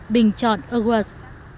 bình chọn awards